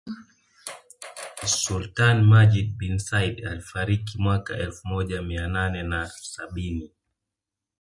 Sultani Majid bin Said alifariki mwaka elfu moja Mia nane na sabini